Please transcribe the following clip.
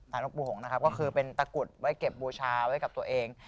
หลวงปู่หงนะครับก็คือเป็นตะกุดไว้เก็บบูชาไว้กับตัวเอง